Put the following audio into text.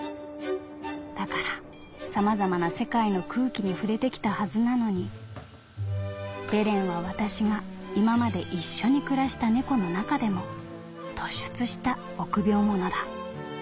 だから様々な世界の空気に触れてきたはずなのにベレンは私が今まで一緒に暮らした猫の中でも突出した臆病者だ」。